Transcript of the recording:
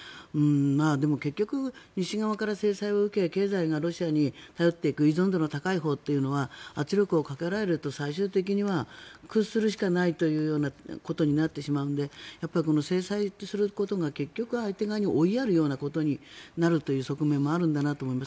でも結局、西側から制裁を受け経済がロシアに頼っていく依存度の高いほうというのは圧力をかけられると最終的には屈するしかないというようなことになってしまうのでこの制裁をすることが結局相手側に追いやるようなことになるという側面もあるんだなと思います。